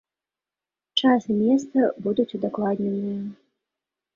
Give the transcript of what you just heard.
Час і месца будуць удакладненыя.